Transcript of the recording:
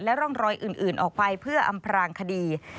ร่องรอยอื่นออกไปเพื่ออำพรางคดี